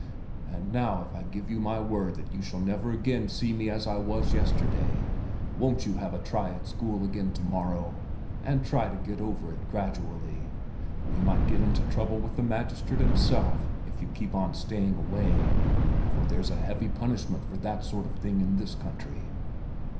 And now if I give you my word that you shall never again see me as I was yesterday, won't you have a try at school again to morrow, and try and get over it gradually? We might get into trouble with the magistrate himself if you keep on staying away; for there's a heavy punishment for that sort of thing in this country."